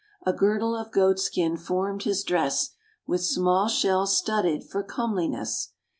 A girdle of goat skin formed his dress, With small shells studded for comeliness.